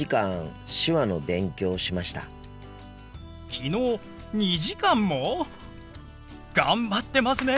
きのう２時間も？頑張ってますね。